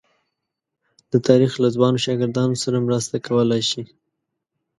د تاریخ له ځوانو شاګردانو سره مرسته کولای شي.